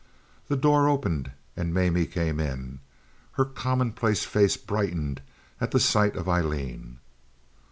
The door opened and Mamie came in. Her commonplace face brightened at the sight of Aileen.